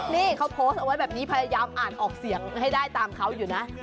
นี่เขาโพสต์เอาไว้แบบนี้พยายามอ่านออกเสียงให้ได้ตามเขาอยู่นะ